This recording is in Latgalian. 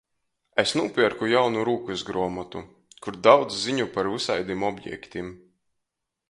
Es nūpierku jaunu rūkysgruomotu, kur daudz ziņu par vysaidim objektim.